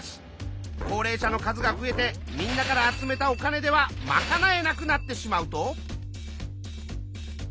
高齢者の数が増えてみんなから集めたお金ではまかなえなくなってしまうと。